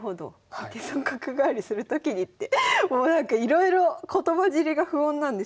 「一手損角換わりするときに」ってもうなんかいろいろ言葉尻が不穏なんですけど。